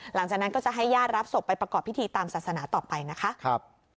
หลังจากนั้นก็จะให้ญาติรับศพไปประกอบพิธีตามศาสนาต่อไปนะคะ